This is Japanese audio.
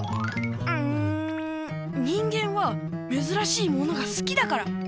うん人間はめずらしいものがすきだから！